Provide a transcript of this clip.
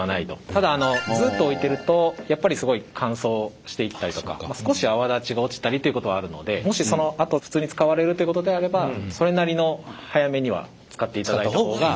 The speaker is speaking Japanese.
ただずっと置いてるとやっぱりすごい乾燥していったりとか少し泡立ちが落ちたりっていうことはあるのでもしそのあと普通に使われるっていうことであればそれなりの早めには使っていただいた方が。